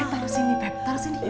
eh taruh sini beb taruh sini